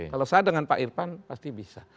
kalau saya dengan pak irfan pasti bisa